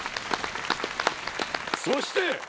そして！